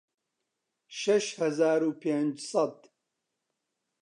شەش هەزار و پێنج سەد